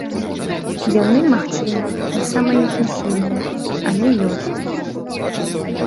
Яны, магчыма, не самыя інтэнсіўныя, але ёсць.